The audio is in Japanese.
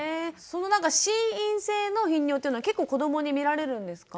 そのなんか心因性の頻尿というのは結構子どもに見られるんですか？